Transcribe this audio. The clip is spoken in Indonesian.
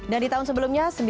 dan di tahun sebelumnya